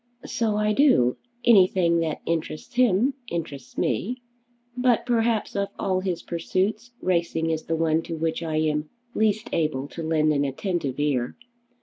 "So I do; anything that interests him, interests me. But perhaps of all his pursuits racing is the one to which I am least able to lend an attentive ear.